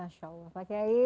masya allah pak kiai